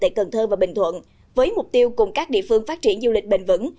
tại cần thơ và bình thuận với mục tiêu cùng các địa phương phát triển du lịch bền vững